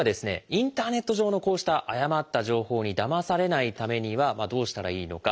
インターネット上のこうした誤った情報にだまされないためにはどうしたらいいのかこちらですね。